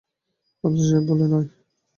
আফসার সাহেব বললেন, আয়।